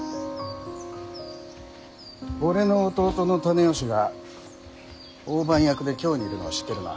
俺の弟の胤義が大番役で京にいるのは知ってるな。